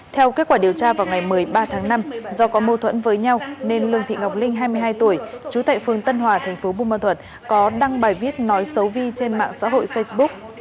theo kết quả điều tra vào ngày một mươi ba tháng năm do có mô thuẫn với nhau nên lương thị ngọc linh hai mươi hai tuổi chú tệ phường tân hòa tp bùi mân thuận có đăng bài viết nói xấu vi trên mạng xã hội facebook